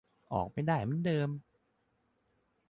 ออกไม่ได้เหมือนเดิม